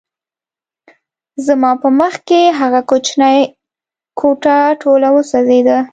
زما په مخکې هغه کوچنۍ کوټه ټوله وسوځېده